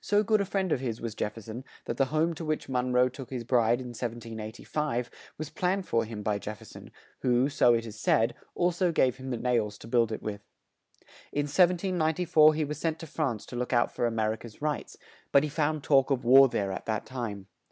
So good a friend of his was Jef fer son, that the home to which Mon roe took his bride in 1785, was planned for him by Jef fer son, who, so it is said, al so gave him the nails to build it with. In 1794 he was sent to France to look out for A mer i ca's rights, but he found talk of war there at that time.